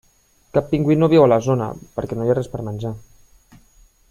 Cap pingüí no viu a la zona perquè no hi ha res per a menjar.